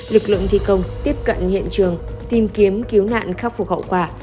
lực lượng thi công tiếp cận hiện trường tìm kiếm cứu nạn khắc phục hậu quả